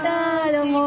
どうも。